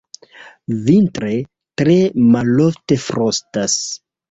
Vintre tre malofte frostas.